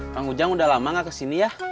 kang ujang udah lama gak kesini ya